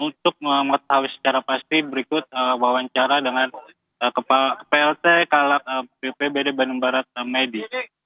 untuk mengetahui secara pasti berikut wawancara dengan plt kalak bpbd bandung barat medi